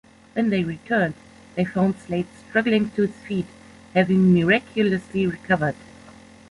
When they returned, they found Slade struggling to his feet, having miraculously recovered.